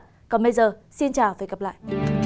hẹn gặp lại